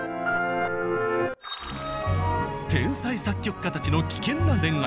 天才作曲家たちの危険な恋愛。